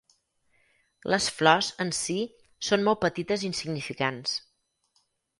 Les flors en si són molt petites i insignificants.